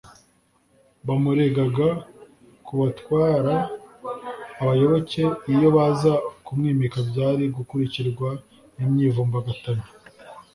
bamuregaga kubatwara abayoboke iyo baza kumwimika byari gukurikirwa n’imyivumbagatanyo,